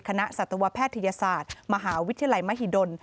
สัตวแพทยศาสตร์มหาวิทยาลัยมหิดล